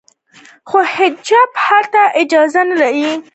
خو حجاب هلته اجباري دی.